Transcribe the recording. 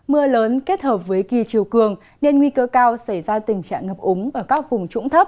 mưa lớn kết hợp với kỳ chiều cường nên nguy cơ cao xảy ra tình trạng ngập úng ở các vùng trũng thấp